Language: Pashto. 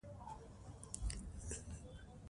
هوا د افغانانو د ګټورتیا برخه ده.